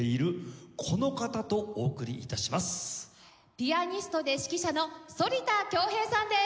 ピアニストで指揮者の反田恭平さんです。